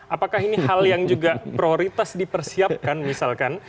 apakah ini hal yang juga prioritas dipersiapkan misalkan